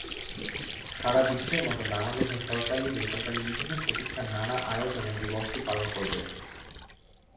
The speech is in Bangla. সারা বিশ্বের মতো বাংলাদেশেও সরকারি-বেসরকারি বিভিন্ন প্রতিষ্ঠান নানা আয়োজনে দিবসটি পালন করবে।